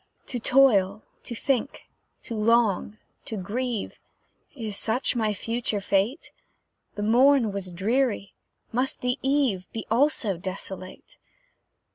To toil, to think, to long, to grieve, Is such my future fate? The morn was dreary, must the eve Be also desolate?